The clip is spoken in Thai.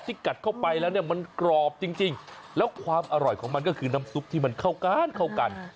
กัดเข้าไปแล้วเนี่ยมันกรอบจริงแล้วความอร่อยของมันก็คือน้ำซุปที่มันเข้ากันเข้ากัน